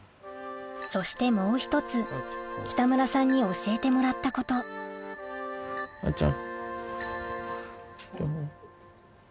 そしてもう１つ北村さんに教えてもらったことあーちゃん。